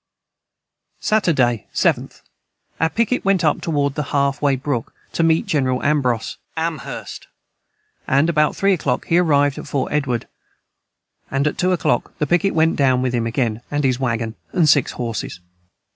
Saterday 7th. Our Picket went up toward the Half way brook to meet jeneral Ambros & about 3 a clock he arrived at Fort Edward and at 2 a clock the picket went down with him again and his wagon & 6 horses.